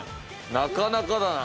なかなかだな。